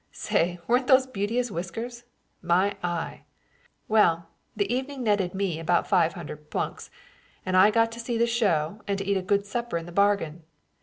Say, weren't those beauteous whiskers! My eye! Well, the evening netted me about five hundred plunks, and I got to see the show and to eat a good supper in the bargain.